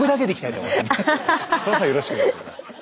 その際よろしくお願いします。